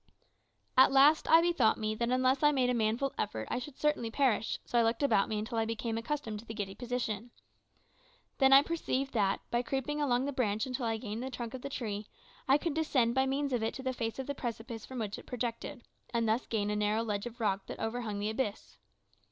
At last I bethought me that unless I made a manful effort I should certainly perish, so I looked about me until I became accustomed to the giddy position. Then I perceived that, by creeping along the branch until I gained the trunk of the tree, I could descend by means of it to the face of the precipice from which it projected, and thus gain a narrow ledge of rock that overhung the abyss.